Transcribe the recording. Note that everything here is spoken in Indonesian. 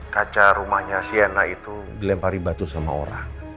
kaca rumahnya sienna itu dilempari batu sama orang